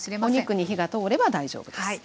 お肉に火が通れば大丈夫です。